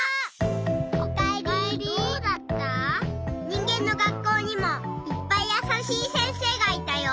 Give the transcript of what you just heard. にんげんの学校にもいっぱいやさしい先生がいたよ。